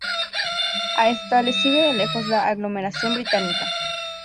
A esta le sigue de lejos la aglomeración británica.